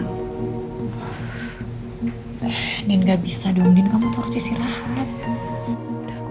nih gak bisa dong kamu harus istirahat